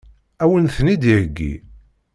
Ad wen-ten-id-iheggi?